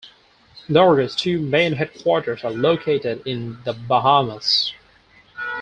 Largo's two main headquarters are located in the Bahamas.